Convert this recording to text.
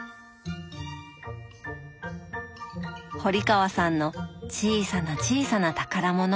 堀川さんの小さな小さな宝物。